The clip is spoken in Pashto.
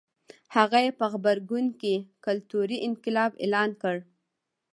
هغه یې په غبرګون کې کلتوري انقلاب اعلان کړ.